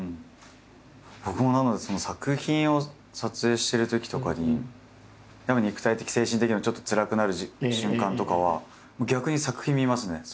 僕もなので作品を撮影してるときとかにやっぱ肉体的精神的にもちょっとつらくなる瞬間とかはもう逆に作品見ますね。